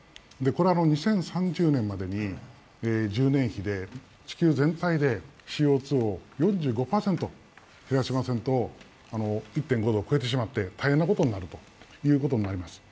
２０３０年までに１０年比で地球全体でＣＯ２を減らさないと１．５度を超えてしまって大変なことになるということです。